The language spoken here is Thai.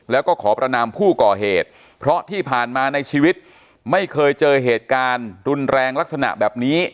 แล้วก็ขอประนามผู้ก่อเหตุเพราะที่ผ่านมาในชีวิตไม่เคยเจอเหตุการณ์รุนแรงลักษณะแบบนี้